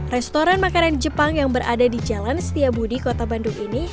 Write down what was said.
restoran makanan jepang yang berada di jalan setiabudi kota bandung ini